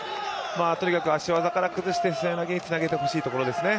とにかく足技から崩して背負い投げにつなげてほしいですね。